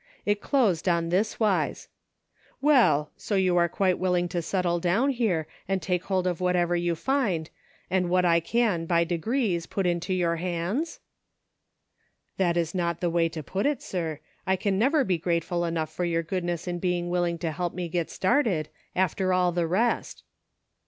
It closed on this wise :" Well, so you are quite willing to set tle down here, and take hold of whatever you fii.d, and what I can, by degrees, put into your hands ''* 300 KO^tK. " That is not the way to put it, sir ; I can never be grateful enough for your goodness in being willing to help me get started, after all the rest."